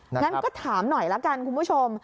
งั้นก็ถามหน่อยละกันคุณผู้ชม